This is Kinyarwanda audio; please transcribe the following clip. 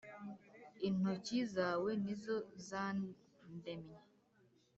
Intoki zawe nizo zandemye